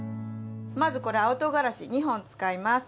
まずこれ青とうがらし２本使います。